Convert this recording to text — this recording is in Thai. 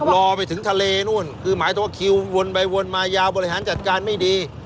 รอไปถึงทะเลนู่นคือหมายถึงว่าคิววนไปวนมายาวบริหารจัดการไม่ดี